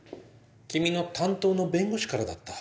君の担当の弁護士からだった。